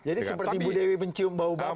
jadi seperti ibu dewi mencium bau bata ya